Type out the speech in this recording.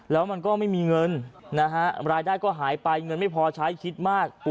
แล้วมันก็ไม่มีเงินนะฮะรายได้ก็หายไปเงินไม่พอใช้คิดมาก